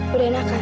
udah enak kan